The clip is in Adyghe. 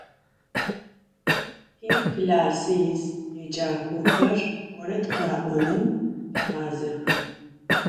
Tiklassı yis yêcak'oxer vored khe'onım fe'azex.